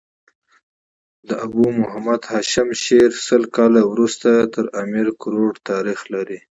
د ابو محمد هاشم شعر سل کاله وروسته تر امیر کروړ تاريخ لري.